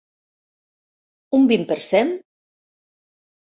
Un vint per cent?